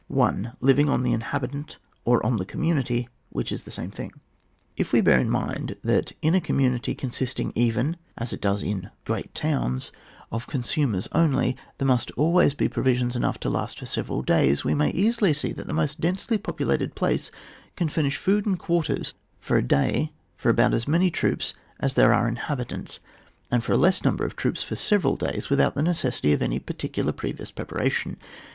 — Living .on the inhahitantf or on the community, which is the same thing. If we bear in mind that in a commimity consisting even as it does in groat towns, of consumers only, there must always be provisions enough to last for several days, we may easily see that the most densely populated place can furnish food and quarters for a day for about as many troops as there are inhabitants, and for a less number of troops for several days without the necessity of any particular previous preparation.